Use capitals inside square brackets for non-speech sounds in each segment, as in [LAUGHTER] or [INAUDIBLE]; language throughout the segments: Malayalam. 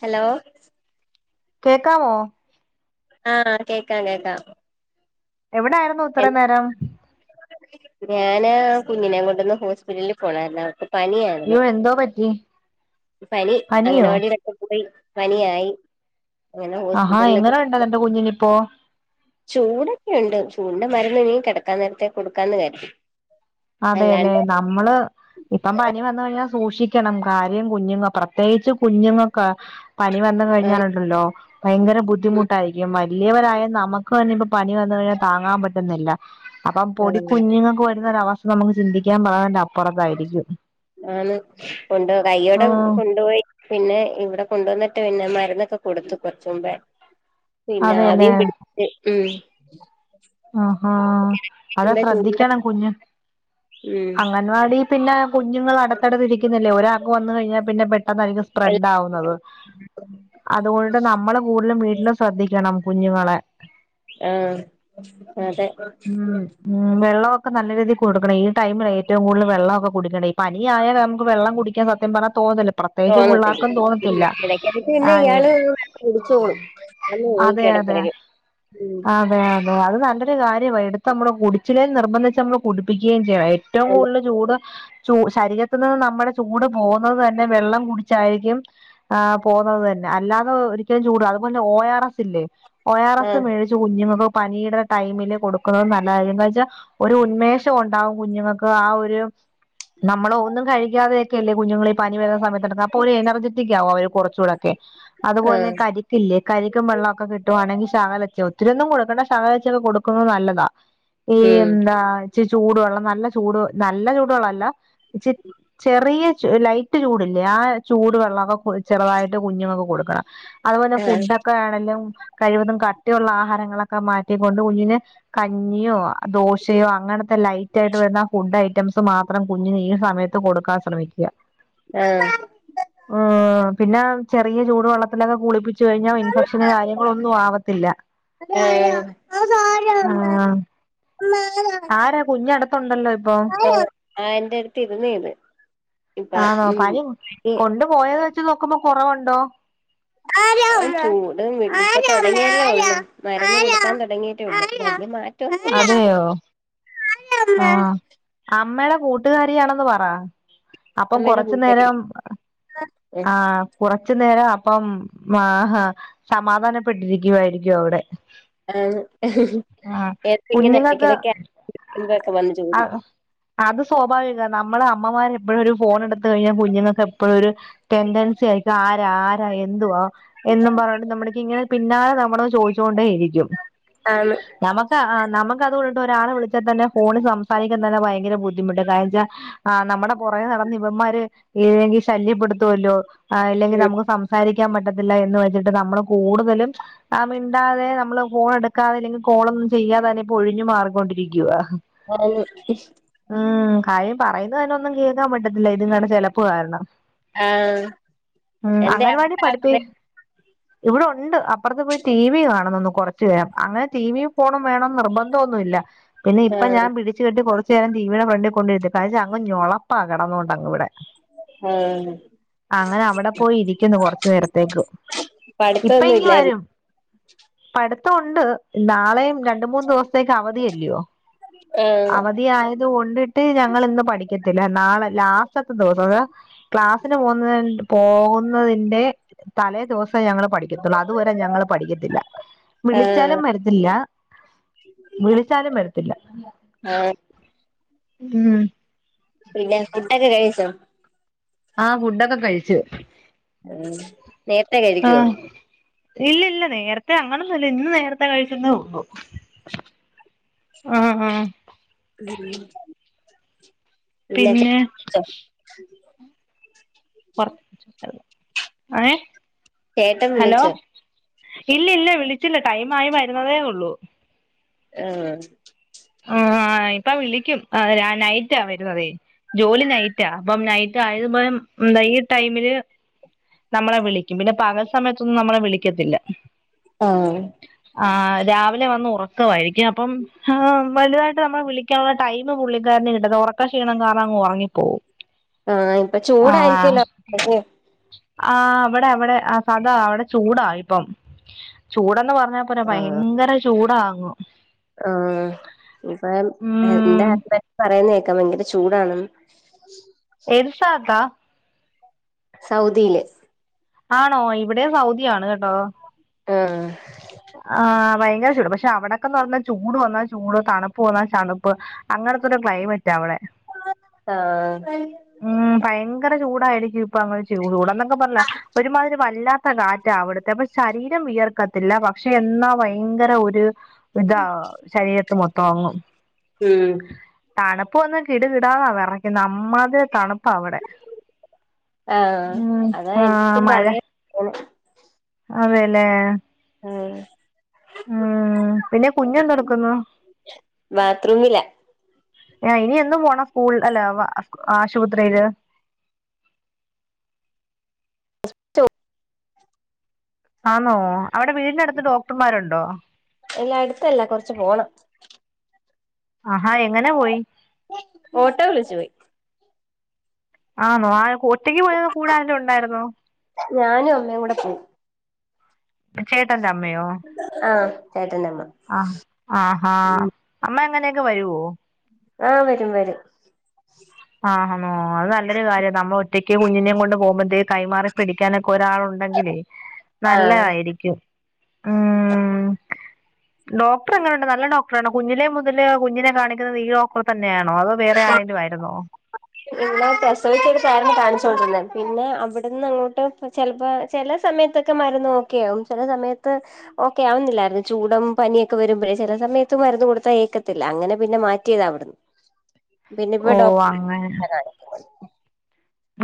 ഹലോ. കേക്കവോ? ആഹ് കേക്കാം കേക്കാം. എവിടായിരുന്നു ഇത്രേം നേരം? ഞാന് കുഞ്ഞിനെ കൊണ്ടൊന്ന് ഹോസ്പിറ്റലിൽ പോണാരുന്നു അവക്ക് പനിയായിരുന്നു യ്യോ എന്തോ പറ്റി? പനി പനിയോ അംഗനവാടിലൊക്കെ പോയി പനിയായി. അങ്ങനെ ആഹാ ഹോസ്പിറ്റലൊക്കെ എങ്ങനെ ഉണ്ട് നിന്റെ കുഞ്ഞിനിപ്പോ ചൂടൊക്കെണ്ട് ചുണ്ട്മര ഇല്ല നി കെടക്കാൻ നേരത്ത് കൊടുക്കാന്ന് കരുതി. അതേ അല്ലെ അല്ലാണ്ട് നമ്മള് ഇപ്പം പനിവന്ന് കഴിഞ്ഞ സൂക്ഷി ക്കണം കാര്യം കുഞ്ഞുങ്ങ പ്രത്യേകിച്ച് കുഞ്ഞുങ്ങക്ക പനി വന്നു കഴിഞ്ഞാലുണ്ടല്ലോ ഭയങ്കര ഉം ബുദ്ധിമുട്ടായിക്കും വല്യവരായ നമുക്ക്ന്നെ ഇപ്പം പനിവന്നുകഴിഞ്ഞാൽ താങ്ങാം പറ്റുന്നില്ല. അപ്പം പൊടികുഞ്ഞുങ്ങക്ക് വരുന്ന ഒരവസ്ഥ നമുക്ക് ചിന്തിക്കാൻ പറന്റെ അപ്പുറത്തായിരിക്കും ആന്ന് കൊണ്ടോ ആ കയ്യോടെ കൊണ്ടോയി പിന്നെ ഇവിടെ കൊണ്ടന്നിട്ട് പിന്നെ മരെ ന്നൊക്കെ കൊടുത്ത് കൊർച്ചുമ്പെ പിന്നെ അതെല്ലേ ആവിയും പിടിച്ച് മ് ആഹാ അതെ ചൂടിന്റെ ശ്രദ്ധിക്കണം കുഞ്ഞ് ഉം അംഗൻവാടി പിന്നെ കുഞ്ഞുങ്ങള് അടുത്തടുത്ത് ഇരിക്കുന്നല്ലേ ഒരാക്ക് വന്ന്കഴിഞ്ഞാ പിന്നെ പെട്ടെന്നായിരിക്കും സ്പ്രഡ്ഡ് ആവുന്നത്. അതുകൊണ്ട് നമ്മളെ കൂടുലും വീട്ടിലും ശ്രദ്ധിക്കണം കുഞ്ഞുങ്ങളെ ആഹ്‌ മ് മ് വെള്ളവൊക്ക നല്ല രീതിൽ കൊടുക്കണം ഈ ടൈമിലെ റ്റവും കൂടുതലെ വെള്ളഒക്കെ കുടിക്കണെ ഇ പനിയായ നമുക്ക് വെള്ളം കുടിക്കാൻ സത്യം പറഞ്ഞാൽ തോന്നത്തില്ല പ്രത്യേകിച്ച് പുള്ളാർക്കും തോന്നത്തി ഇണ്ടെ ഇടക്കിടയ്ക്ക് പിന്നെ ഇയാള് വെള്ള കുടിച്ചോളും ഞ നോക്കി അതെ അതെ ഇടയ്ക്കിടയ്ക്ക് ഉം അതെ അതെ അത് നല്ലൊരു കാര്യമാണ് എടുത്ത് നമ്മള് കുടിച്ചിലേൽ നിർബന്ധിച്ച് നമ്മള് കുടിപ്പിക്കേം ഏറ്റവും എന്താ കൂടുതൽ ചൂട് ചൂ ശരീരത്തി നിന്ന് നമ്മുടെ ചൂട് പോകുന്നത് തന്നെ വെള്ളം കുടിച്ചായിരിക്കും ആ പോകുന്നത് തന്നെ അല്ലാതെ ഒരിക്കലും ചൂട അതുപോലെ ഒ ആർ എസ് ഇല്ലേ ആഹ് മേച്ച് കുഞ്ഞുങ്ങൾക്ക് പനിടെ ടൈമിൽ കൊടുക്കുന്നത് നല്ലത എന്താ വെച്ചാ ഒരു ഉന്മേഷം ഉണ്ടാാവും കുഞ്ഞുങ്ങൾക്ക് ആ ഒരു നമ്മള ഒന്നും കഴിക്കാതെ കല്ലേ കുഞ്ഞുങ്ങളിപനിവരുന്ന സമയത്ത് [UNINTELLIGIBLE] അപ്പോരു എനർജറ്റിക്കവും അവര് കുറച്ചുടെ അതുപോലെ ആഹ് കരിക്കില്ലേ കരിക്കും വെള്ളമൊക്കെ കിട്ടുവാണെങ്കി ഒത്തിരി ഒന്നും കൊടുക്കേണ്ട ശനരച്ചൊക്കെ കൊടുക്കുന്നത് നല്ലതാ ഈ ഉം എന്താച്ച ചൂടുവെള്ളം നല്ല ചൂട് നല്ല ചൂടുവെള്ളല്ല ചെറിയ ലൈറ്റ് ചൂട്ല്ലേ ആ ചൂട് വെള്ളൊ ചെറുതായിട്ട് കുഞ്ഞുങ്ങക്ക് കൊടുക്കണം അതുപോലെെ ആഹ് ഫുഡ്ഒക്കെ ആണെങ്കിലും കഴിവതും ള്ള ആഹാരങ്ങളൊക്കെ മാറ്റികൊണ്ട് കുഞ്ഞിനു കഞ്ഞിയോ ദോശയോ അങ്ങനെ ലൈറ്റ് ആയിട്ട് വരുന്ന ഫുഡ് ഐറ്റംസ് മാത്രം കുഞ്ഞിന് ഈ സമയത്ത് കൊടുക്കാൻ ശ്രമിക്കുക ആ ഉം പിന്നെ ചെറിയ ചൂട് വെള്ളത്തിലൊക്കെ കുളിപ്പിച്ചച്ച് കഴിഞ്ഞാൽ ഇൻഫെക്ഷന് കാര്യങ്ങള ഒന്നും ആവത്തി അ അതാരാ ആ അതാരാമേ ആരാ കുഞ്ഞടത്തുണ്ടല്ലോ ഇപ്പൊ ആഹ് എന്റെ അടുത്ത് ഇരുന്നീ ഇത് ഇപ്പൊ ആ നോ ഉം പനി ചൂട് കൊണ്ട് പോയത് വെച്ച് നോക്കുമ്പോ കുറവുണ്ടോ ആ ചൂട് വിട്ട് തുടങ്ങിയല്ലേ ഉള്ളു മരുന്ന് കൊടുക്കാൻ തുടങ്ങിയിട്ടേ ഉള്ളു പനി മാ അതെയോ ആ അമ്മേടെ കൂട്ടുകാരിയാണെന്ന് പറ അപ്പം അമ്മയുടെ കൂട്ടുകാരി കൊറച്ചുനരം ആ കുറച്ചു നേരം അപ്പം ആ സമാധാനപ്പെട്ടിരിക്കുവായിരിക്കും അവിടെ ആ കുഞ്ഞിങ്ങക്ക് വന്ന് ചോദിക്കും അത് സ്വാഭാവിക നമ്മള് അമ്മമാര്‌ എപ്പോഴോരു ഫോൺ എടുത്ത് കഴിഞ്ഞ കുഞ്ഞുങ്ങക്ക് എപ്പോഴോരു ടെൻഡൻസി ആയിരിക്കു അ ആരാ എന്തുവാ എന്നും പറഞ്ഞണ്ട് നമ്മക്ക് ഇങ്ങനെ പിന്നാലെ നമ്മള ചോദിച്ചോണ്ടേ ഇരിക്കും ആണ് നമക്ക് ആ് നമുക്കതുകൊണ്ടിട്ട ഒരാളെ വിളിച്ചാൽതന്നെ ഫോണിൽ സംസാരിക്കാൻ തന്നെ ഭയങ്കര ബുദ്ധിമുട്ട് എന്താന്ന് വെച്ച നമ്മുടെ കുറേ നടന്ന ഇവന്മാര് ഏ ശല്യപ്പെടുത്തുമല്ലോല്ലെങ്കിൽ ഉം നമു സംസാരിക്ക ൻ പറ്റത്തില്ല എന്ന് വെച്ചിട്ട് നമ്മള് കൂടുതലും മിണ്ടാതെ നമ്മള് ഫോൺ എടുക്കാതെ അല്ലെങ്കിൽ കോള ചെയ്യാതന്നെപ്പോ ഒഴിഞ്ഞു മാർക്കൊണ്ടിരിക്കവാ ആന്ന് ഉം കായം പറയുന്നത് അതിനെ ഒന്നും കേൾക്കാൻ പറ്റത്തില്ല ഇത കാണ് ചിലപ്പ് കാരണം ആഹ് എന്തേ അംഗൻവാടി യിൽ അവിടുത്തെ ആളുടെ പഠിപ്പിക്ക് ഇവിടെ ഉണ്ട് അപ്പുറത്ത് പോയി ടി വി കാണുന്നു കുറച്ചു നേരം അങ്ങനെ ടി വി ഫോണം വേണംന്ന് നിർബന്ധംന്നുമില്ല പിന്നെ ഇപ്പ ആഹ് ഞൻ പിടിച്ച് കെട്ടി കുറച്ചു നേരം ടീവിടെ മുന്നേ കൊണ്ടോയിടും ഴ അങ് ഞളപ്പാ കിടന്നോണ്ട്ങ് ഇവിടെ ആഹ് അങ്ങനെ അവിടെ പോയി ഇരിക്കുന്നു കൊറച്ചു നേരത്തേക്ക് ഇപ്പൊ പഠിത്തൊന്നും ഇങ്ങി ഇല്ലായിരുന്ന വരും പഠിത്തം ഉണ്ട് രണ്ട മൂന്ന് ദിവസത്തേക്ക് അവധിയല്ലയോ ആഹ് അവധിയായത് കൊണ്ട് ഞങ്ങൾ ഇന്ന് പഠിക്കത്തില്ല നാളെ ലാസ്റ്റ് ത്തെ ദിവസം അ ക്ലാസ്സിന് പോവുന്ന പോകുന്നതിന്റെ തലേ ദിവസം ഞങ്ങൾ പഠിക്കത്തുള്ളൂ അതുവരെ ഞങ്ങള് പഠിക്കത്തില്ല വിളിച്ചാലു ആഹ് വരത്തില്ല വിളിച്ചാലും വരത്തില്ല ആഹ് ഉം പിന്നെ ഫുഡ്ടൊക്കെ കഴിച്ചോ ആ ഫുഡൊക്കെ കഴിച്ചു ഉം നേരത്തെ ആ കഴിക്കുവോ ഇല്ല ഇല്ല നേരത്തെ അങ്ങനൊന്നുമില്ല ഇന്ന് നേരത്തെ കഴിച്ചെന്നേ ഉള്ളൂ ആഹ് ആഹ് പിന്നെ [UNINTELLIGIBLE] പൊറത്ത [UNINTELLIGIBLE] ചേട്ടൻ വിളിച്ചോ ഇല്ല ഇല്ല വിളിച്ചില്ല ടൈം ആയി വരുന്നതേയുള്ളൂ ആഹ് ആഹ്‌ ഇപ്പ വിളിക്കും നൈറ്റാ വരുന്നുന്നതേ ജോലി നൈറ്റാ അപ്പം നൈ റ്റ് ആയത് [UNINTELLIGIBLE] ടൈമില് നമ്മളെ വിളിക്കും പിന്നെ പകൽസമയത്തൊന്നും നമ്മളെ വിളിക്കത്തില്ലാ ആഹ് ആഹ്‌ രാവിലെ വന്ന് ഉറക്കമായിരിക്കും അപ്പം വലുതായിട്ട് നമ്മളെ വിളിക്കാനുള്ള ടൈം പുള്ളിക്കാരനെ കിട്ടത്തില്ല ഉറക്കക്ഷീണം കാരണം അങ്ങ് ഒറങ്ങിപ്പോവും ആ ഇപ്പ ചൂടായിരിക്കല്ലോ [UNINTELLIGIBLE] ആഹ് ഇവടെ അവടെ ആ സദാ അവടെ ചൂടാ ഇപ്പം ചൂടെന്ന് പറ ഞ്ഞാ പോരാ ആഹ് ഭയങ്കര ചൂടാ അങ്ങു ആഹ് ഇപ്പം എ ഇന്റെ ഉം ഹസ്ബൻറ് പറയുന്ന കേക്കാം വയങ്കര ചൂ ചൂടാണെന്ന് ഏത് സ്ഥലത്താ? സൗദിയില് ആണോ ഇവിടേം സൗദി ആണ് കേട്ടോ. ആഹ് ആഹ് വയങ്കര ചൂട് പക്ഷെ അവിടൊക്കെന്ന് പറഞ്ഞാ ചൂട് വന്നാ ചൂട് തണപ്പ് വന്നാ തണുപ്പ് അങ്ങ ടത്തൊരു ക്ലൈമറ്റാ അവടെ ആഹ് ഉം ഭയങ് ങ്കര ചൂടായിരിക്കും ഇപ്പങ് ചൂടെന്നൊക്കെ പറഞ്ഞാ ഒരു മാതിരി വല്ലാത്ത കാറ്റാ അവിടുത്തെ അപ്പ ശരീരം വിയർക്കത്തില്ലാ പ ക്ഷെ എന്നാ വയങ്കര ഒരു ഇതാ ശരീരത്ത് മൊത്തവങ്ങും. ഉം ഇപ്പ ഒന്നും കിടുകിടന്നാ വിറക്കുന്നേ അമ്മാതിരി തണുപ്പാ അവിടെ ആഹ് ഉം അതാ ആ എന്റെടുത്തും മഴ പറയാ അതേലേ ആ ഉം പിന്നെ കുഞ്ഞെന്തെടുക്കുന്നൂ ബാത്റൂമിലാ ഇനി എന്നും പോണം സ്കൂൾ അല്ലെ ആശുപത്രിയില് [UNINTELLIGIBLE] ആണോ അവിടെ വീടിനടുത്ത് ഡോക്ടർമാരുണ്ടോ ഇല്ല അടുത്തല്ലാ കുറച്ച് പോണം ആഹാ എങ്ങനെ പോയി ഓട്ടോ വിളിച്ചു പോയി ആന്നോ ആ ഒറ്റക്ക് പോയോ കൂടെ ആരേലും ഉണ്ടായിരുന്നോ ഞാനും അമ്മയും കൂടെ പോവും ചേട്ടൻ്റെ അമ്മയോ ആഹ് ചേട്ടന്റെ അമ്മ ആ ആഹാ അമ്മ അങ്ങനെയൊക്കെ വരുവോ ആഹ് വരും വരും ആന്നോ അത് നല്ലൊരു കാര്യം നമ്മൾ ഒറ്റക്ക് കുഞ്ഞിനേയും കൊണ്ട് പോകുമ്പോഴത്തേക്ക് കൈമാറി പിടിക്കാന ഒരാളുണ്ടെങ്കിലേ ആഹ് നല്ലതായിരിക്കും ഉം ഡോക്ടർ എങ്ങനുണ്ട് നല്ല ഡോക്ടറാണ് കുഞ്ഞിലേ മുതല് കുഞ്ഞിനെ കാണിക്കുന്നത് ഈ ഡോക്ടറെ തന്നെയാണ് [UNINTELLIGIBLE] വേറെ ആരെങ്കിലും ആരുന്നോ ഇല്ലാ പ്രസവിച്ച എടുത്താരുന്നു കാണിച്ചു കൊണ്ടിരുന്നത് പിന്നെ അവിടുന്ന് അങ്ങോട്ട് ചെലപ്പോ ചെല സമയത്തൊക്കെ മരുന്ന് ഓക്കെ ആകും ചെല സമയത്ത് ഓക്കെ ആവുന്നില്ലായിരുന്നൂ ചൂടും പനിയൊക്കെ വരുമ്പോഴേ ചെല സ സമയത്ത് മരുന്ന് കൊടുത്താ ഏക്കത്തില്ലാ അങ്ങനെ പിന്നെ മാറ്റിയതാവിടന്ന് പിന്നെ ഇപ്പ ഓ ഡോക്ട അങ്ങനെ [UNINTELLIGIBLE] കാണിക്കുന്നത്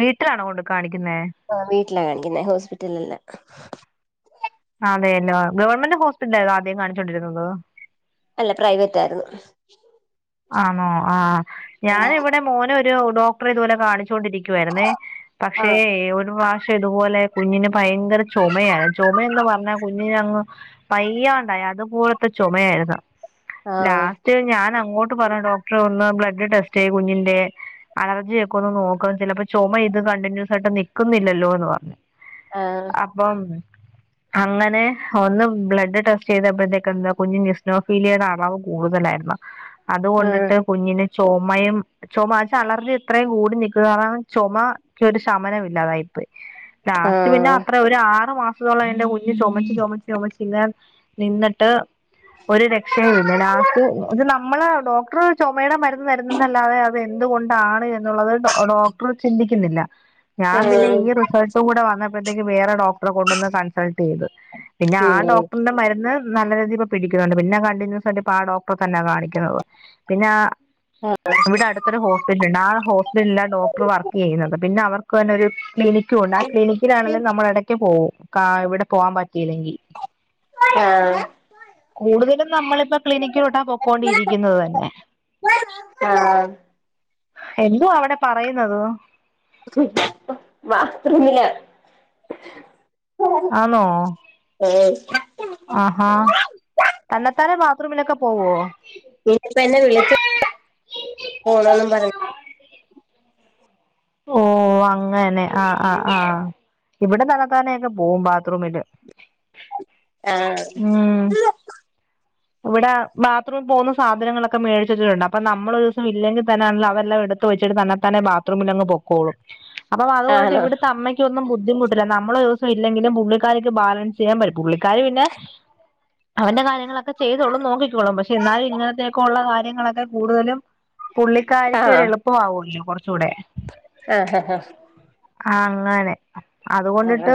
വീട്ടിലാണോ കൊണ്ട് കാണി ആ വീട്ടിലാ കാണിക്കുന്നേ ഹോസ്പിറ്റലിലല്ലാ അതെയല്ലോ ഗവൺമെന്റ് ഹോസ്പിറ്റല ആതോ ആദ്യം കാണിച്ചോൊണ്ടിരുന്നത് അല്ല പ്രൈവറ്റ് ആയിരുന്നു ആണോ ആഹ ഞാന ഇവിടെ മോന ഒരു ഡോക്ടറെ ഇതു പോോലെ കാണിച്ച ണ്ടിരിക്കുവായിുന്നേ പക്ഷേ ആഹ് ഒരു പക്ഷെ ഇതുപോലെ കുഞ്ഞിന് ഭയങ്കര ചുമയാണ് ചുമയന്ന് പറഞ്ഞാൽ കുഞ്ഞിനന് അങ്ങ് പയ്യണ്ടായി അതുപോലത്തെ ചുമയായിരുന്നു ആഹ് ലാസ്റ്റ് ഞാൻ അങ്ങോട്ട് പറഞ്ഞ ഡോക്ടറെ ഒന്ന് ബ്ലഡ് ടെസ്റ്റ് കുഞ്ഞിന്റെ അലർജിയൊക്കെ ഒന്ന് നോക്ക ചിലപ്പോ ചുമ ഇത് കണ്ടിന്യൂസ് ആയിട്ട് നിിക്കുന്നില്ലല്ലോ എന്ന് പറഞ് ആഹ് ആപ്പ [INAUDIBLE] അങ്ങനെ ഒന്ന് ബ്ലഡ് ടെസ്റ്റ് ചെയ്തപ്പോഴത്തേക്ക എന്താ കുഞ്ഞ് ുസ്നോഫീലിയയുടെ അളവ് കൂടുതലായിരുന്ന ആഹ് അതുകൊണ്ടിട്ട് കുഞ്ഞിന് ചുമയും ചുമ ആ ചലർഞ് ഇത്രയും കൂടി നക്കുക കാരണം ചുമ ഒരു ശമനമ ഇില്ലാതായിപ്പ് ലാസ്റ്റ് പിന്നെ ആഹ് അത്ര ഒരു ആറ് മാസത്തോളം എറെ കുഞ്ഞ് ചുമച്ച് ച ചോിച്ചാൽ നിന്നിട്ട് ഒരു രക്ഷയയും ഇല്ല ലാസ്റ്റ് നമ്മള് ഡോക്ടർ ചുമയുടെ മരുന്ന് തരുന്നതല്ലാതെ അത് എന്തുകൊണ്ടാണ് എന്നുള്ളത് ഡോക്ടർ ചിന്തിക്കുന്നില്ല ഞാൻ പിന്നെ ആഹ് ഈ റിസോൾട്ട് കൂടെ വന്ന ഴത്തേക്ക് വേറെ ഡോക്ടറെ കൊണ്ടൊന്ന് കൺസൾട്ട് ചെയ്ത് പിന്നെ ആ ഉം ഡോക്ടറിന്റെ മരുന്ന് നല്ല രീതിയി ഇപ്പോ പിടിക്കുന്നുണ്ട് പിന്നെ കണ്ടിന്യൂസ്ായിട്ട് പ ഡോക്ടർ തന്നാ കാണിക്കുന്നത് പിന്നെ ഇവിടെ അടുത്തൊരു ഹോസ്പിറ്റലുണ്ട് ആ ഹോസ്പിറ്റലല്ല ഡോക്ടർ വർക്ക് ചെയ്യുന്നത് പിന്നെ അവർക്ക് െ ഒരു ക്ലിനിക്കും ഉണ്ട് ആ ക്ലിനിക്കിലാണെങ്കും നമ്മള ഇടയ്ക്ക് പോവും ഇവിടെ പോകാൻ പറ്റും ആഹ കൂടുതലും നമ്മളിപ്പോ ക്ലിനിക്കിലോട്ടാ പോക്കൊണ്ടിരിക്കും ആഹ് എന്തോ അവിടെ പറയുന്നത് ബാത്രറൂമില് ആണോ ആഹാ തന്നെത്താനെ ബാത്റൂമിലൊക്കെ ഓ ഓ നനി ഇപ്പ എന്നെ വിള പോണും പറഞ്ഞ ഓ അങ്ങനെ ആഹ ആ് ആഹ ഇവിടെ തലത്താനൊക്കെ പോകവും ബാത്റൂമില് ആഹ ഉം ഇവിടെ ബാത്റൂമിൽ പോുന്ന സാധനങ്ങളൊക്കെ മേടിച്ചിട്ടുണ്ട് അപ്പ നമ്മൾ ഒരു ദസം ഇല്ലെങ്കിൽ തന്നാണല്ലോ അവരെല്ലാം എടുത്ത് വച്ചു തന്നെ തന്നെ ബാത്റൂമിൽ പൊോുള്ളും അപ്പൊ അതുകൊണ്ട് ആണോ ഇവിത്തെ അമ്മയ്ക്കൊന്നും ബുദ്ധിമുട്ടില്ല നമ്മ ദിവസം ഇല്ലെങ്കിലും പുള്ളിക്കാരിക്ക് ബാലൻസ് ചെയ്യാൻ പറ്റും പുള്ളിക്കാർ പിന്നെ അവന്റെ കാര്യങ്ങളൊക്കെ ചെയ്തോളും നോക്കിക്കോളും പക്ഷെ എന്നാലും ഇങ്ങനത്തേക്കുള്ളള്ള കാര്യങ്ങളൊക്കെ കൂടുതലും പുള്ളിക്കാരിക്ക് ഒരു എളുപ്പമാവുമല്ലോ കുറച്ച കൂടെ ആഹ ഹഹ ഹഹ ആ അങ്ങനെ അതുകൊണ്ടിട്ട്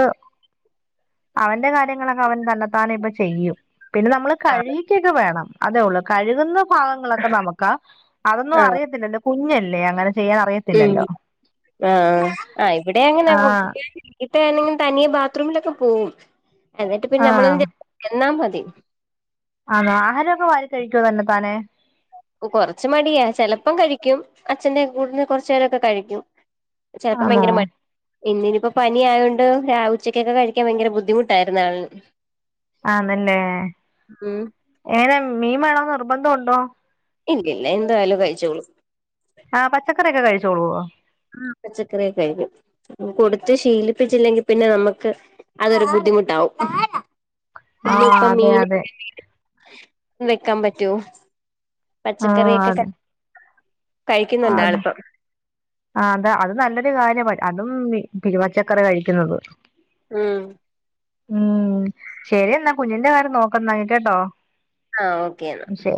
അവൻന്റെ കാര്യങ്ങളൊക്കെ അവൻ തന്നെത്താനെ ഇപ്പ ചെയ്യും പിന്നെ നമ്മള് ആഹ് കഴുകിക്കൊക്കെ വേണം അതേ ഉള്ളൂ കഴുകുന്ന ഭാഗങ്ങളൊക്കെ നമുക്ക്ാ അതൊന്നും ആഹ് അറിയത്തില്ലല്ലോ കുഞ്ഞല്ലേ അങ്ങനെ ചെയ്യാൻ അറിയത്തില്ലല്ലോ ആഹ ആ് ഇവിടെ അങ്ങനെ ആഹ് ഇപ്പെങ്ങും തനിയെ ബാത്റൂമിലൊക്കെ പോകവും എന്നിട്ട് പിന്നെ ആഹ് നമ്മളൊാ മതി ആണോ ആഹാരമൊക്കെ വാാല കഴിക്കുവ തന്നെ താനെ കൊറച്ച മടിയാ ചെിലപ്പം കഴിക്കും അച്ഛന്റെ കൂടെന്ന് കൊറച്ചു പേരൊക്കെ കഴിക്കും ചെിലപ്പോ ആണോ ഭയങ്കര മ ഇന്നിനിപ്പോൊ പനി ആയോണ്ട് ര ഉച്ചക്കൊക്കെ കഴിക്കാൻ ഭയങ്കര ബുദ്ധിമുട്ടായിരുന്നു ആള് ആതല്ലേ ഏനെ മീൻ വേണോന്ന് നിർബന്ധംുണ്ടോ ഇല്ല ഇല്ല എന്തായാലും കഴിച്ചോളൂ ആ പച്ചക്കറിയൊക്കെ കഴിച്ചോളുവ ആ പച്ചക്കറിയൊക്കെ കഴിക്കും കൊടുത്ത് ശീലിപ്പിച്ചില്ലെങ്കി പിന്നെ നമ്മുക്ക് അതൊരു ബുദ്ധിമുട്ടാവും ആ പിന്നെ ഇപ്പം അതെ മീൻ അതെ വെക്കാൻ പറ്റോ പച്ചക്കറിയൊക്കെ ആ കഴിക്കുന്നുണ്ട് അതെ ആളിപ്പം ആ അതാ അത് നല്ലൊരു കാര്യ പിരുവച്ച കറി കഴിക്കുന്നത് മമ് ഉം ശരി എന്നാ കുഞ്ഞിന്റെ കാര്യം നോക്കന്നാങ്കി കേട്ടോ ആ ഓക്കേ എന്നാ ശരി